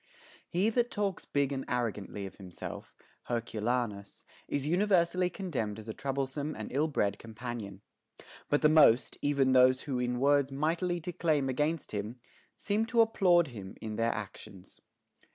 1. He that talks big and arrogantly of himself, Hercu lanns, is universally condemned as a troublesome and ill bred companion. But the most, even of those who in words mightily declaim against him, seem to applaud him in their actions.